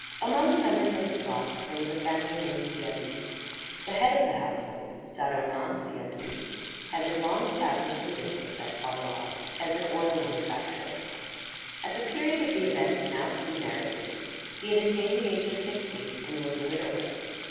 Among the members of his flock there was a family named Siadoux. The head of the household, Saturnin Siadoux, had been long established in business at Croix Daurade as an oil manufacturer. At the period of the events now to be narrated, he had attained the age of sixty, and was a widower.